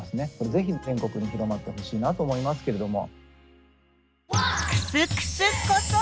ぜひ全国に広まってほしいなと思いますけれども。